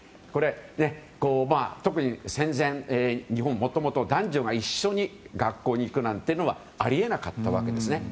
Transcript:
特に戦前日本はもともと男女が一緒に学校に行くというのはあり得なかったわけです。